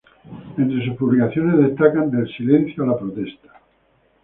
Entres sus publicaciones destacan "Del silencio a la protesta.